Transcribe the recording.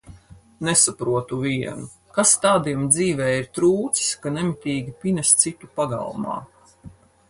Nesaprotu vienu, kas tādiem dzīvē ir trūcis, ka nemitīgi pinas citu pagalmā?